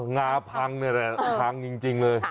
งาพังนี่แหละพังจริงเลย